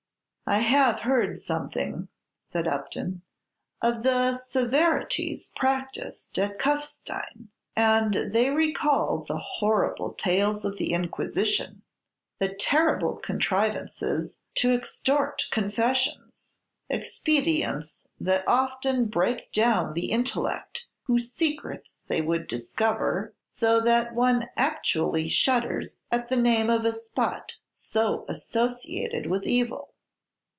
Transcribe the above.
"I have heard something," said Upton, "of the severities practised at Kuffstein, and they recall the horrible tales of the Inquisition; the terrible contrivances to extort confessions, expedients that often break down the intellect whose secrets they would discover; so that one actually shudders at the name of a spot so associated with evil."